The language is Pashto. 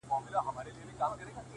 له رقیبه مي خنزیر جوړ کړ ته نه وې-